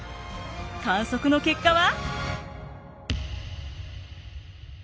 観測の結果は。